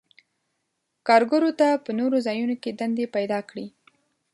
کارګرو ته په نورو ځایونو کې دندې پیداکړي.